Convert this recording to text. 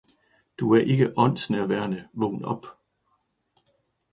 Du er ikke åndsnærværende, vågn op